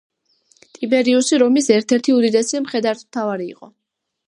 ტიბერიუსი რომის ერთ-ერთი უდიდესი მხედართმთავარი იყო.